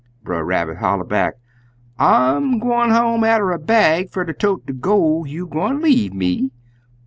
Brer Rabbit holler back, 'I'm gwine home atter a bag fer ter tote de gol' you gwine leave me!